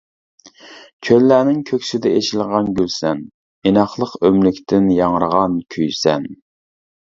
چۆللەرنىڭ كۆكسىدە ئېچىلغان گۈلسەن، ئىناقلىق ئۆملۈكتىن ياڭرىغان كۈيسەن.